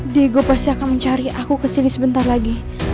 diego pasti akan mencari aku kesini sebentar lagi